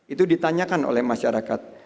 itu ditanyakan oleh masyarakat